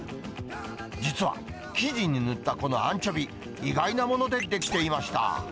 実は、生地に塗ったこのアンチョビ、意外なもので出来ていました。